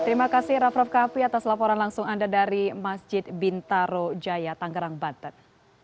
terima kasih raff raff kaffi atas laporan langsung anda dari masjid bintaro jaya tanggerang banten